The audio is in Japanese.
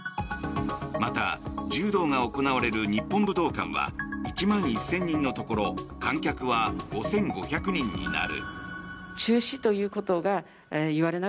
また、柔道が行われる日本武道館は１万１０００人のところ観客は５５００人になる。